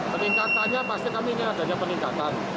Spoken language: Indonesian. peningkatannya pasti kami ingin adanya peningkatan